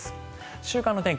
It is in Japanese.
週間天気